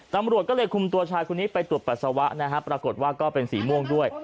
ตำรวจก็เลยคุมตัวชายคนนี้ไปตรวจปัสสาวะนะฮะปรากฏว่าก็เป็นสีม่วงด้วย